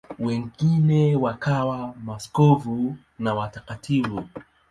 Wengine wakawa maaskofu na watakatifu.